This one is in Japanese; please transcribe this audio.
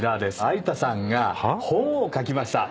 有田さんが本を書きました。